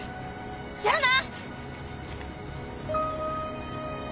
じゃあな！